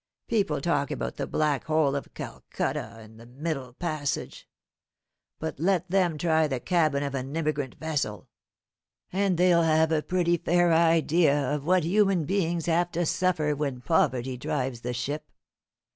People talk about the Black Hole of Calcutta, and the Middle Passage; but let them try the cabin of an emigrant vessel, and they'll have a pretty fair idea of what human beings have to suffer when Poverty drives the ship.